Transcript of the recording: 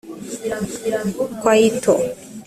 Kwaito